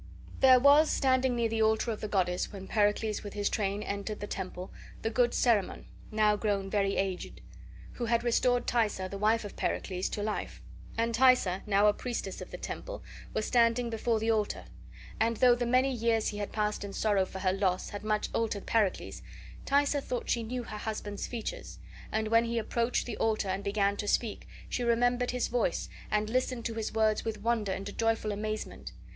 There was standing near the altar of the goddess, when Pericles with his train entered the temple, the good Cerimon (now grown very aged), who had restored Thaisa, the wife of Pericles, to life; and Thaisa, now a priestess of the temple, was standing before the altar; and though the many years he had passed in sorrow for her loss had much altered Pericles, Thaisa thought she knew her husband's features, and when he approached the altar and began to speak, she remembered his voice, and listened to his words with wonder and a joyful amazement.